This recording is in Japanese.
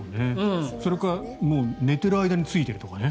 それか、もう寝ている間についているとかね。